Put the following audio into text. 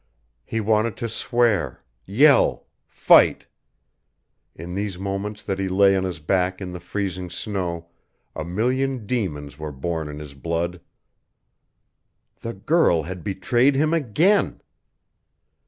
He wanted to swear yell fight. In these moments that he lay on his back in the freezing snow a million demons were born in his blood. The girl had betrayed him again!